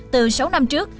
từ sáu năm trước